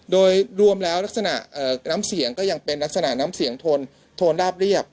โดยรวมแล้วลักษณะน้ำเสียงก็ยังเป็นลักษณะน้ำเสียงโทนราบเรียบ